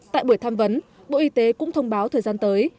tại buổi tham vấn bộ y tế cũng thông báo thời gian tới